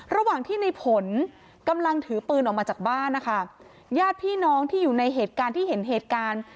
ระหว่างที่ในผลกำลังถือปืนออกมาจากบ้านนะคะญาติพี่น้องที่อยู่ในเหตุการณ์ที่เห็นเหตุการณ์